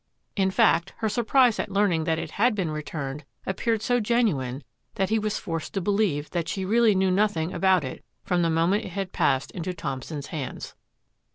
In fact, her surprise at learning that it had been returned appeared so genuine that he was forced to believe that she really knew nothing about it from the mo ment it had passed into Thompson's hands.